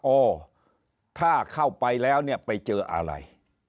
เออถ้าเข้าไปแล้วเนี่ยไปเจออะไร